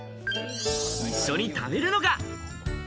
一緒に食べるのが。